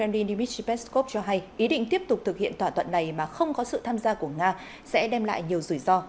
dmitry peskov cho hay ý định tiếp tục thực hiện thỏa thuận này mà không có sự tham gia của nga sẽ đem lại nhiều rủi ro